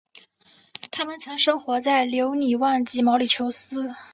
它们曾生活在留尼旺及毛里裘斯。